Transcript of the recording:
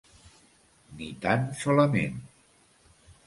Ni tan solament.